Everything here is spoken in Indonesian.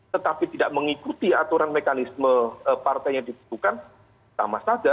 tetapi tidak mengikuti aturan mekanisme partai yang ditentukan sama saja